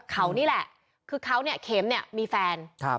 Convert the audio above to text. เขานี่แหละคือเขาเนี่ยเข็มเนี่ยมีแฟน